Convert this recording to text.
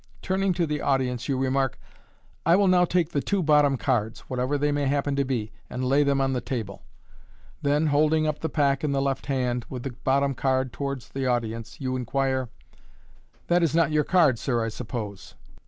Turning to the audi ence, you remark, " I will now take the two bottom cards, whatever they may happen to be, and lay them on the table." Then, holding up the pack in the left hand, with the bottom card towards the audience, you inquire, "That is not your card, sir, I suppose